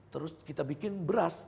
terus kita bikin beras